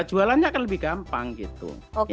jualannya akan lebih gampang gitu